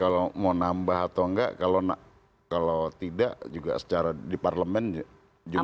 kalau mau nambah atau enggak kalau tidak juga secara di parlemen juga